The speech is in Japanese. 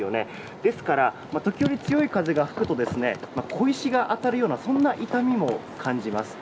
ですから、時折強い風が吹くと小石が当たるような痛みも感じます。